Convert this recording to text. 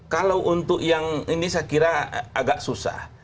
kalau untuk yang ini saya kira agak susah